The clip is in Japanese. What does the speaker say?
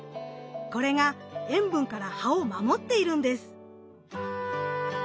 これが塩分から葉を守っているんです！